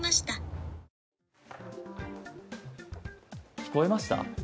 聞こえました？